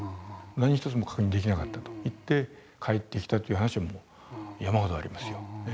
何一つもう確認できなかったといって帰ってきたという話はもう山ほどありますよ。